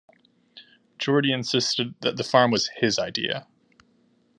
Jordy insisted that the farm was his idea.